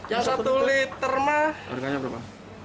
yang satu liter berapa